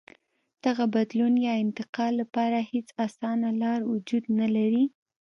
دغه بدلون یا انتقال لپاره هېڅ اسانه لار وجود نه لري.